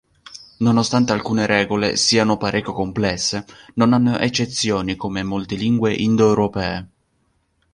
Nonostante alcune regole siano parecchio complesse, non hanno eccezioni come molte lingue indoeuropee.